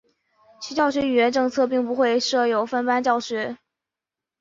其教学语言政策并不会设有分班教学。